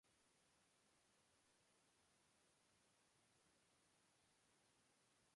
They would also protect the animals from the hunters.